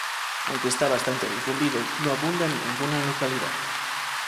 Aunque está bastante difundido, no abunda en ninguna localidad.